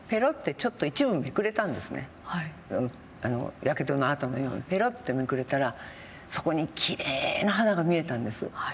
やけどの痕のようにペロッとめくれたらそこに奇麗な肌が見えたんです。